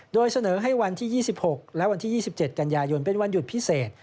โดยเสนอให้วันที่๒๖และวันที่๒๗กันยายนเป็นวันหยุดพิเศษ